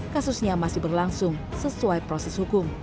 kasusnya masih berlangsung sesuai proses hukum